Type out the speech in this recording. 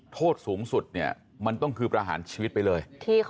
โทษสูงสุดเนี่ยมันต้องคือประหารชีวิตไปเลย